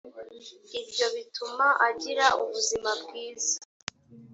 ibyo bituma agira ubuzima bwiza